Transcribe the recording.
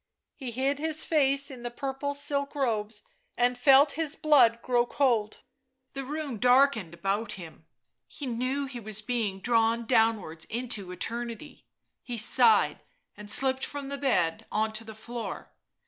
He hid his face in the purple silk robes and felt his blood grow cold. The room darkened about him, he knew he was being drawn downwards into eternity, he sighed and slipped from the bed on to the floor.